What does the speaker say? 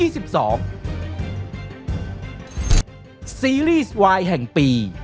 ซีรีส์วายแห่งปี